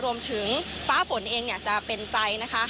รวมถึงฟ้าฝนเองจะเป็นใจนะคะ